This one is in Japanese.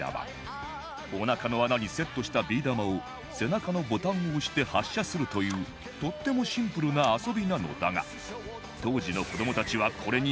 おなかの穴にセットしたビー玉を背中のボタンを押して発射するというとってもシンプルな遊びなのだが当時の子どもたちはこれに夢中に